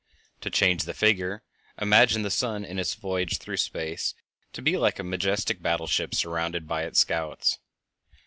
To change the figure, imagine the sun in its voyage through space to be like a majestic battleship surrounded by its scouts.